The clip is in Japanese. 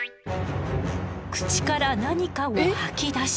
口から何かを吐き出し。